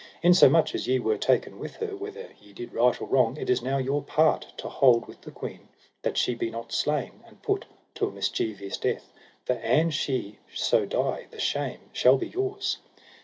Insomuch as ye were taken with her, whether ye did right or wrong, it is now your part to hold with the queen, that she be not slain and put to a mischievous death, for an she so die the shame shall be yours.